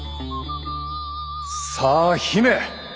さあ姫！